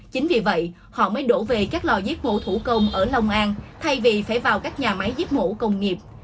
chính vì vậy họ mới đổ về các lò giết mổ thủ công ở long an thay vì phải vào các nhà máy giết mổ công nghiệp